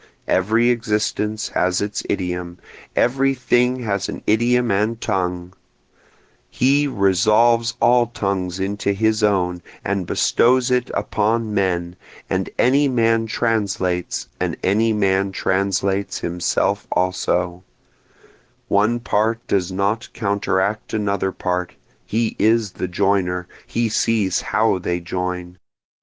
Every existence has its idiom, every thing has an idiom and tongue, He resolves all tongues into his own and bestows it upon men, and any man translates, and any man translates himself also, One part does not counteract another part, he is the joiner, he sees how they join.